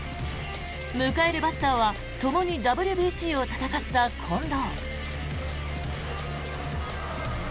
迎えるバッターはともにＷＢＣを戦った近藤。